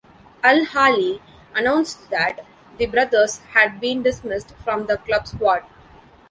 Al-Ahli announced that the brothers had been dismissed from the club squad.